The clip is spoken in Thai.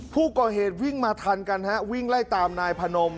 ผู้ก่อเหตุวิ่งมาทันกันฮะวิ่งไล่ตามนายพนม